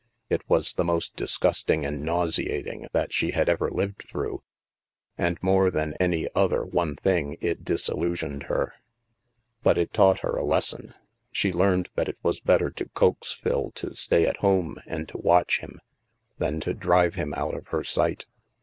It was the most disgusting and nauseating that she had ever lived through and, more than any other one thing, it disillusioned her. But it taught her a les son; she learned that it was better to coax Phil to stay at home and to watch him, than to drive him out of her sight.